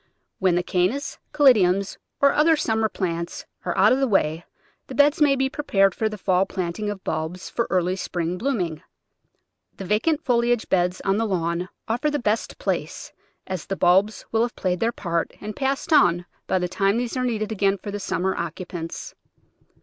When the Carinas, Caladiums, and other summer plants are out of the way the beds may be prepared for the fall planting of bulbs for early spring bloom ing. The vacant foliage beds on the lawn offer the best place, as the bulbs will have played their part and passed on by the time these are needed again for the summer occupants.